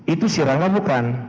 itu si rangga bukan